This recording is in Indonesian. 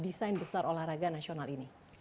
desain besar olahraga nasional ini